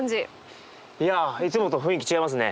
いやいつもと雰囲気違いますね。